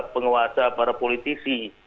penguasa para politisi